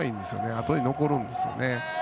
あとに残るんですよね。